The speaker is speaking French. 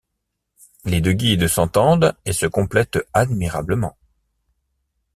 Les deux guides s'entendent et se complètent admirablement.